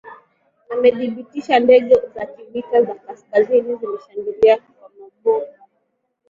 amedhibitisha ndege za kivita za kaskazini zimeshambilia kwa mabomu